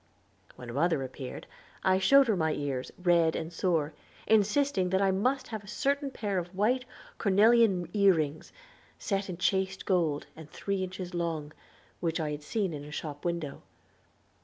When mother appeared I showed her my ears red and sore, insisting that I must have a certain pair of white cornelian ear rings, set in chased gold, and three inches long, which I had seen in a shop window.